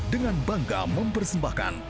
dengan bangga mempersembahkan